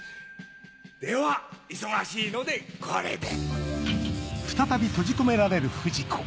では忙しいのでこれで。